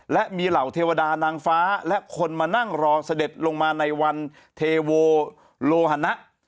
และมีเหล่าเทวดานางฟ้าและคนมานั่งรอเสด็จลงมาในวันเทโวโลหนะ